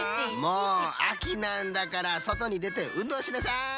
もう秋なんだからそとにでてうんどうしなさい！